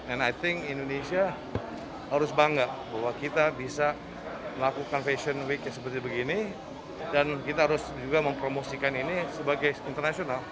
and i think indonesia harus bangga bahwa kita bisa melakukan fashion week seperti begini dan kita harus juga mempromosikan ini sebagai internasional